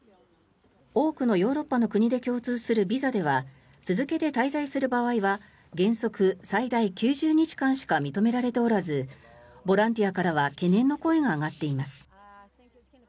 多くのヨーロッパの国で共通するビザでは続けて滞在する場合は原則最大９０日間しか認められておらずボランティアからは懸念の声が上がっています。